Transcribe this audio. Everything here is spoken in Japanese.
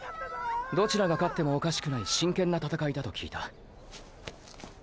どちらが勝ってもおかしくない真剣な闘いだと聞いた。